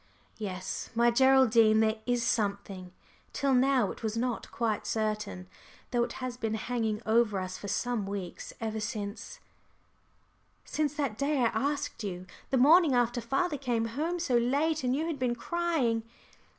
Yes, my Geraldine, there is something. Till now it was not quite certain, though it has been hanging over us for some weeks, ever since " "Since that day I asked you the morning after father came home so late and you had been crying?"